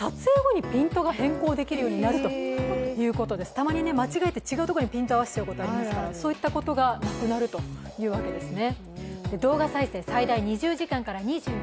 たまに間違えてピント合わせちゃうことがありますからそういったことがなくなるというわけですね。